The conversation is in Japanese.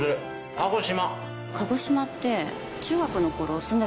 鹿児島って中学の頃住んでた所なんだよね？